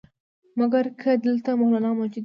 مګر که دلته مولنا موجود وي.